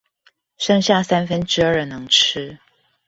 剩下三分之二能吃